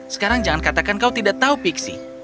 sekarang jangan katakan kau tidak tahu pixi